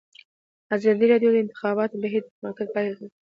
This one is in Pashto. ازادي راډیو د د انتخاباتو بهیر د پرمختګ په اړه هیله څرګنده کړې.